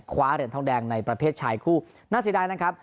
คว้าเหรียญทองแดงในประเภทชายคู่น่าเสียดายนะครับ